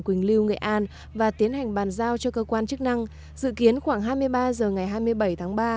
quỳnh lưu nghệ an và tiến hành bàn giao cho cơ quan chức năng dự kiến khoảng hai mươi ba h ngày hai mươi bảy tháng ba